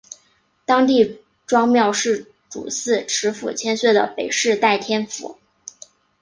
当地庄庙是主祀池府千岁的北势代天府。